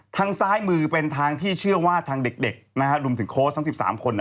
ทางซ้ายมือเป็นทางที่เชื่อว่าทางเด็กรวมถึงโค้ชทั้ง๑๓คน